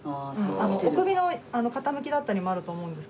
お首の傾きだったりもあると思うんですけど。